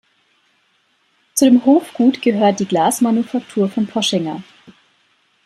Zu dem Hofgut gehört die Glasmanufaktur von Poschinger.